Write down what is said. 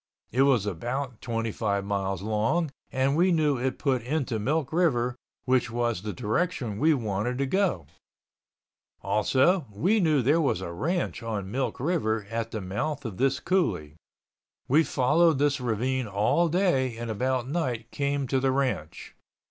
It was about 25 miles long and we knew it put into Milk River which was the direction we wanted to go, also we knew there was a ranch on Milk River at the mouth of this coulee. We followed this ravine all day and about night came to the ranch.